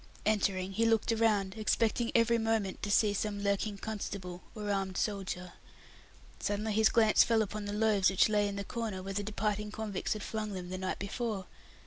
Entering, he looked around, expecting every moment to see some lurking constable, or armed soldier. Suddenly his glance fell upon the food rations which lay in the corner where the departing convicts had flung them the night before.